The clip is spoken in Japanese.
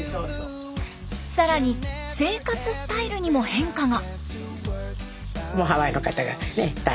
更に生活スタイルにも変化が。